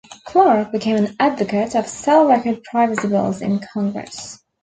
Clark became an advocate of cell record privacy bills in Congress.